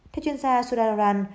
theo chuyên gia sudararan